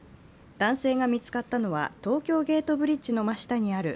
男性が見つかったのは東京ゲートブリッジの真下にある